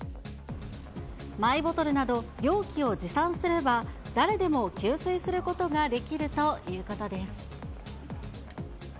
マイボトルなど、容器を持参すれば、誰でも給水することができるということです。